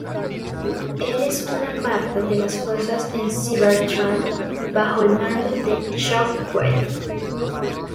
Él es una parte de las fuerzas en Cybertron bajo el mando de Shockwave.